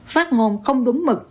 phát ngôn không đúng mực